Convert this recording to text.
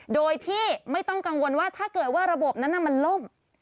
โดยที่ไม่ต้องกังวลว่าถ้าเกิดว่าระบบนั้นมันล่ม